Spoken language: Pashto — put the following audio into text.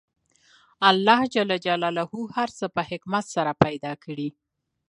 الله ج هر څه په حکمت سره پیدا کړي